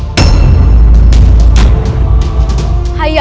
aku adalah anak pemberontak dari pak jajaran